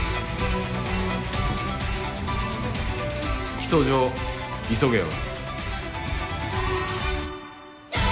起訴状急げよ。